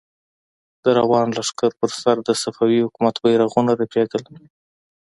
د روان لښکر پر سر د صفوي حکومت بيرغونه رپېدل.